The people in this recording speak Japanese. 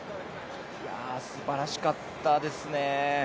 すばらしかったですね。